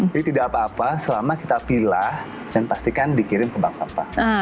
jadi tidak apa apa selama kita pilah dan pastikan dikirim ke bank sampah